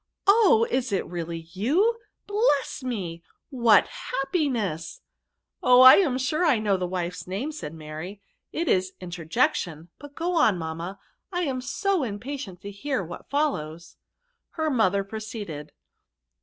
Oh ! is it really you ? Bless me ! what happiness !'"" Oh ! I am sure I know the wife's name," said Mary ; "it is Interjection, but go on mamma, I am so impatient to hear what follows." Her mother proceeded.